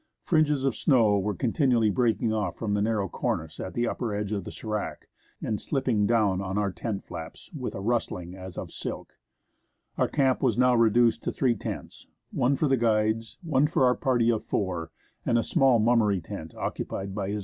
Fringes of snow were continually breaking off from the narrow cornice at the upper edge of the s(^rac, and slipping down on to our tent flaps with a rustling as of silk. Our camp was now 142 w w in o o w h < o NEWTON GLACIER reduced to three tents : one for the guides, one for our party of four, and the small Mummery tent occupied by H.R.